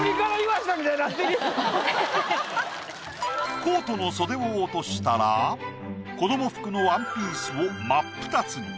コートの袖を落としたら子ども服のワンピースを真っ二つに。